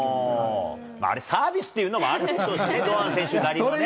あれ、サービスっていうのもあるでしょうしね、堂安選手なりのね。